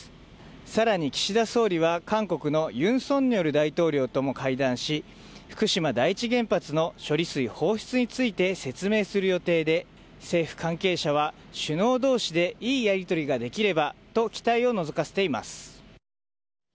さらに岸田総理は、韓国のユン・ソンニョル大統領とも会談し、福島第一原発の処理水放出について説明する予定で、政府関係者は、首脳どうしでいいやり取りができればと期待をのぞかせています。